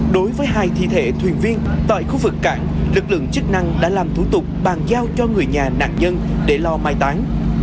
đối với hai thi thể thuyền viên tại khu vực cảng lực lượng chức năng đã làm thủ tục bàn giao cho người nhà nạn nhân để lo mai tán